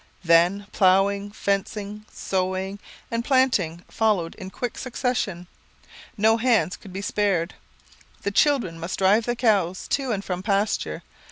Then ploughing, fencing, sowing, and planting followed in quick succession. No hands could be spared. The children must drive the cows to and from pasture.